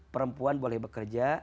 perempuan boleh bekerja